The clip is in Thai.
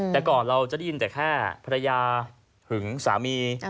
แต่ก่อนเราจะได้ยินแต่แค่ภรรยาหึงสามี